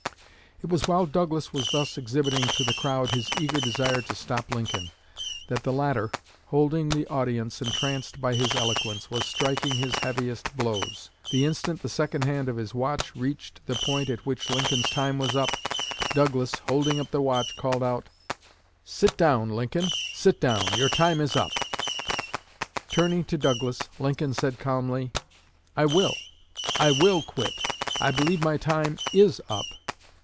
It was while Douglas was thus exhibiting to the crowd his eager desire to stop Lincoln, that the latter, holding the audience entranced by his eloquence, was striking his heaviest blows. The instant the secondhand of his watch reached the point at which Lincoln's time was up, Douglas, holding up the watch, called out: 'Sit down, Lincoln, sit down! Your time is up!' Turning to Douglas, Lincoln said calmly: 'I will. I will quit. I believe my time is up.'